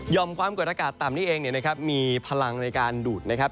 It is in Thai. ความกดอากาศต่ำนี้เองมีพลังในการดูดนะครับ